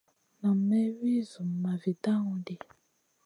Nan may wi Zumma vi dawn ɗi.